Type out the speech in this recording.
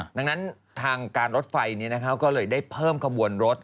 ดังนั้นทางการรถไฟก็เลยได้เพิ่มขบวนรถ